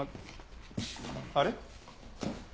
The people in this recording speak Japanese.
あれ？